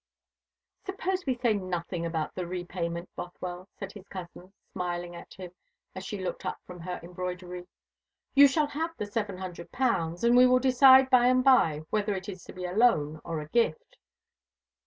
"Suppose we say nothing about the repayment, Bothwell," said his cousin, smiling at him as she looked up from her embroidery. "You shall have the seven hundred pounds; and we will decide by and by whether it is to be a loan or a gift."